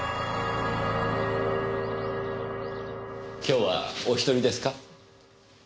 今日はお一人ですか？